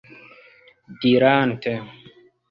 dirante